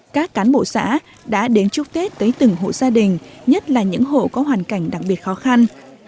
các cán bộ xã đã đến chúc tết tới từng hộ gia đình nhất là những hộ có hoàn cảnh đặc biệt khó khăn